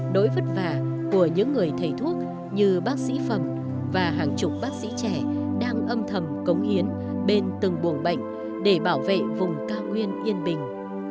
nỗi vất vả của những người thầy thuốc như bác sĩ phẩm và hàng chục bác sĩ trẻ đang âm thầm cống hiến bên từng buồng bệnh để bảo vệ vùng cao nguyên yên bình